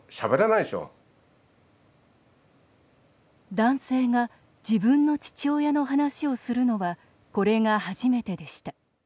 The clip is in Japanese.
男性が自分の父親の話をするのはこれが初めてでした。